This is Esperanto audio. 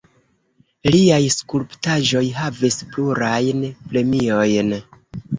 Liaj skulptaĵoj havis plurajn premiojn.